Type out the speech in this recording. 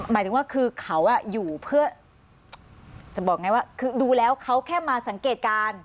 หมายถึงว่าคือเขาอยู่เพื่อจะบอกไงว่าคือดูแล้วเขาแค่มาสังเกตการณ์